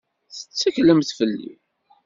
Tetteklemt fell-i?